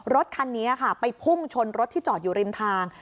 รถคันนี้ค่ะไปพุ่งชนรถที่จอดอยู่ริมทาง